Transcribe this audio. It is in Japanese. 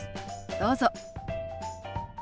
どうぞ。